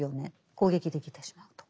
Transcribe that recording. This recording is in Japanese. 攻撃できてしまうと。